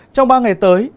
trong ba ngày tới